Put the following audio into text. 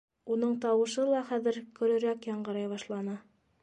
Уның тауышы ла хәҙер көрөрәк яңғырай башланы.